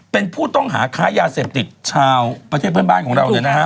เป็นผู้ต้องหาค้ายาเสพติดชาวประเทศเพื่อนบ้านของเราเนี่ยนะฮะ